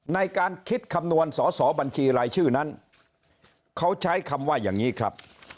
ในการคิดคำนวณสอสอบัญชีรายชื่อนั้นเขาใช้คำว่าอย่างนี้ครับ